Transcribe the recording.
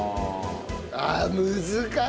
ああ難しい！